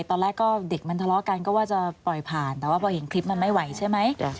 ตอนแรกก็เด็กมันทะเลาะกันก็ว่าจะปล่อยผ่านแต่ว่าพอเห็นคลิปมันไม่ไหวใช่ไหม